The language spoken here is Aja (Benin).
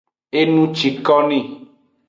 Enucikoni.